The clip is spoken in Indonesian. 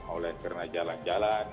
oleh karena jalan jalan